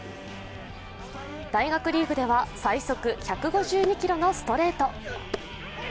大学リーグでは最速１５２キロのストレート。